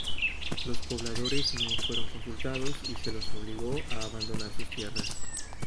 Los pobladores no fueron consultados y se los obligó a abandonar sus tierras.